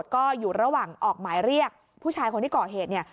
ก็อยู่ระหว่างออกหมายเรียกผู้ชายคนที่ก่อเหตุเนี่ย